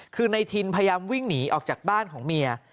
คือในทินพยายามวิ่งหนีออกจากบ้านของเมีย